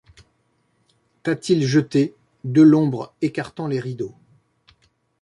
T’a-t-il jeté, de l’ombre écartant les rideaux